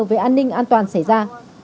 về an ninh an toàn xảy ra